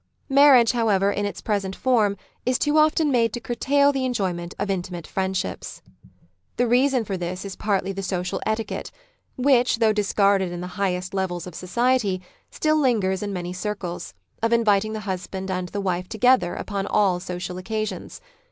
Marriage, however, in its present form is too often made to curtail the enjoyment of intimate friendships. The reason for Society 97 this is partly the social etiquette, Vv'hich, though dis carded in the highest levels of society, still lingers in many circles, of inviting the husband and the wife together upon all social occasions.